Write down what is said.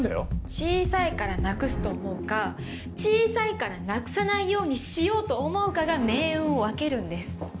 「小さいからなくす」と思うか「小さいからなくさないようにしよう」と思うかが命運を分けるんです。